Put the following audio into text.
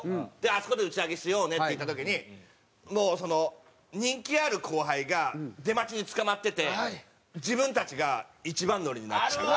あそこで打ち上げしようねっていった時にもうその人気ある後輩が出待ちにつかまってて自分たちが一番乗りになっちゃう。